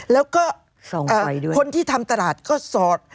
แล้วก็คนที่ทำตลาดก็สอด